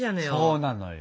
そうなのよ。